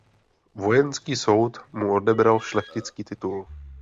Vojenský soud mu odebral šlechtický titul.